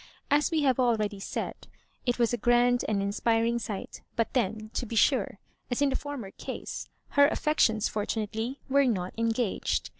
As we have al ready said, it was a grand and inspiring sight; but then, to be sure, as in the former case, her affections, fortunately, were not engaged.